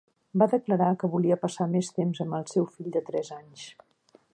Va declarar que volia passar més temps amb el seu fill de tres anys.